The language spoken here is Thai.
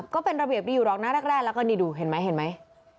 ก็เป็นระเบียบดีอยู่หรอกนะแรกแล้วก็นี่ดูเห็นไหมเห็นไหม